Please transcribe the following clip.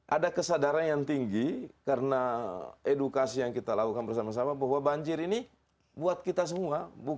ada kesadaran yang tinggi karena edukasi yang kita lakukan bersama sama bahwa banjir ini buat kita semua